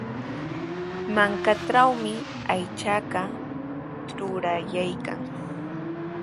Mankatrawmi aychaqa truraraykan.